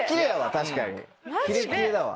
確かにキレッキレだわ。